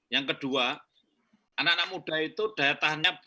yang kedua anak anak muda itu daya tahannya